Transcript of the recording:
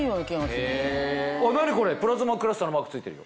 何これプラズマクラスターのマーク付いてるよ。